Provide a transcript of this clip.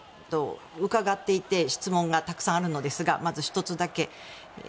伺っていて質問がたくさんあるんですがまず、１つだけ。